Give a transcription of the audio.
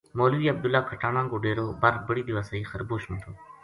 مولوی عبداللہ کھٹانہ کو ڈیرو بر بڑی دیواسئی خربوش ما تھو